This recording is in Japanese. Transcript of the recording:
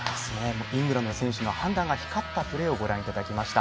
イングランドの選手の判断が光ったシーンをご覧いただきました。